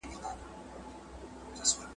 شمعي ته به نه وایې چي مه سوځه ,